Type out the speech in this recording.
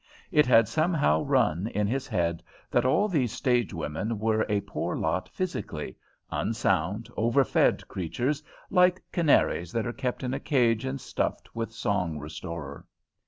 It had somehow run in his head that all these stage women were a poor lot physically unsound, overfed creatures, like canaries that are kept in a cage and stuffed with song restorer.